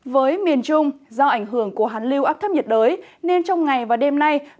với miền trung do ảnh hưởng của hàn lưu áp thấp nhiệt đới nên trong ngày và đêm nay